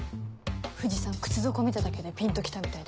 藤さん靴底見ただけでピンと来たみたいです。